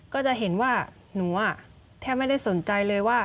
ก็จะเห็นว่าหนูแทบไม่ได้สนใจเลยว่า